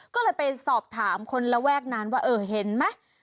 ก็เลยไปสอบถามคนระแวกนั้นว่าเออเห็นไหม